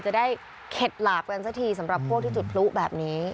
จะได้เข็ดหลาบกันสักทีสำหรับพวกที่จุดพลุแบบนี้